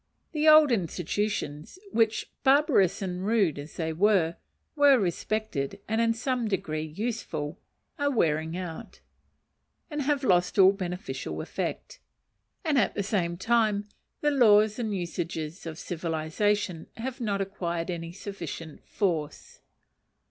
The old institutions which, barbarous and rude as they were, were respected and in some degree useful, are wearing out, and have lost all beneficial effect, and at the same time the laws and usages of civilization have not acquired any sufficient force.